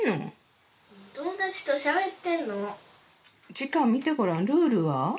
時間見てごらん、ルールは？